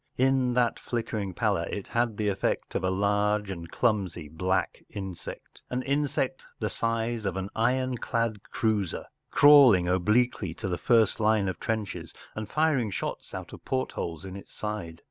In that flickering pallor it had the effect of a large and clumsy black insect an insect the size of an ironclad cruiser, crawling obliquely to the first line of trenches and firing shots out of portholes in its back.